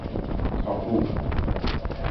کا کو